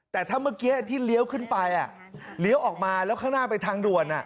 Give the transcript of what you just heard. แต่ถ้าเมื่อกี้ที่เลี้ยวขึ้นไปเลี้ยวออกมาแล้วข้างหน้าไปทางด่วน